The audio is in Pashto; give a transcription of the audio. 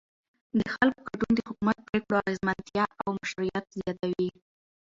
د خلکو ګډون د حکومت د پرېکړو د اغیزمنتیا او مشروعیت زیاتوي